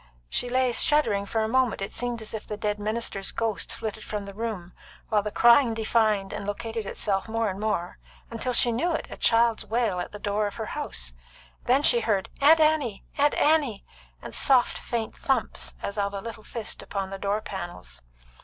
She lay shuddering a moment; it seemed as if the dead minister's ghost flitted from the room, while the crying defined and located itself more and more, till she knew it a child's wail at the door of her house. Then she heard, "Aunt Annie! Aunt Annie!" and soft, faint thumps as of a little fist upon the door panels.